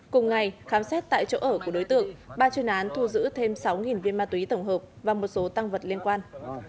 cùng ngày khám xét tại chỗ ở của đối tượng ba chuyên án thu giữ thêm sáu viên ma túy tổng hợp và một số tăng vật liên quan